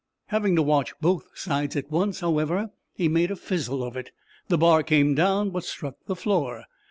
Having to watch both sides at once, however, he made a fizzle of it. The bar came down, but struck the floor.